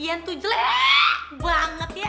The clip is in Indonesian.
gian tuh jelek banget ya